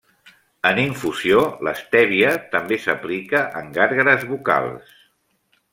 En infusió, l'estèvia també s'aplica en gàrgares bucals.